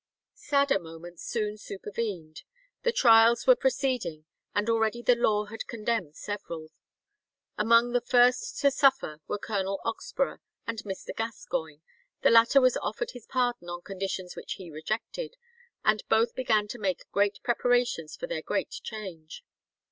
Sadder moments soon supervened. The trials were proceeding, and already the law had condemned several. Among the first to suffer were Colonel Oxborough and Mr. Gascoigne: the latter was offered his pardon on conditions which he rejected, and both began to make great preparations for "their great change."